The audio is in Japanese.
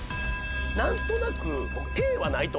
何となく。